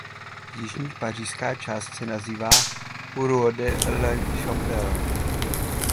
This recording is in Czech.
Jižní pařížská část se nazývá "Rue de la Chapelle".